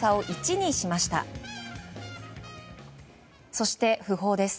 そして、訃報です。